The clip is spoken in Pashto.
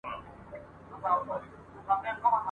هره تيږه يې پاميرؤ ..